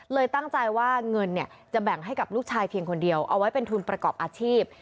ตั้งใจว่าเงินเนี่ยจะแบ่งให้กับลูกชายเพียงคนเดียวเอาไว้เป็นทุนประกอบอาชีพ